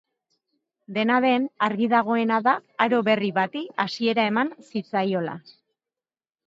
Dena den, argi dagoena da aro berri bati hasiera eman zitzaiola.